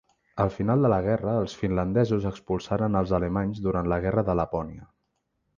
Al final de la guerra els finlandesos expulsaren els alemanys durant la Guerra de Lapònia.